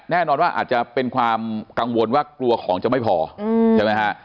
แน่นอนว่าอาจจะเป็นความกังวลว่ากลัวของจะไม่พอใช่ไหมฮะ